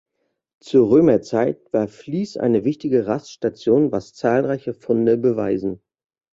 Zur Römerzeit war Fließ eine wichtige Raststation, was zahlreiche Funde beweisen.